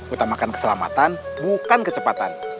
utamakan keselamatan bukan kecepatan